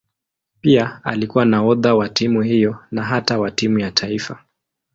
Pia alikuwa nahodha wa timu hiyo na hata wa timu ya taifa.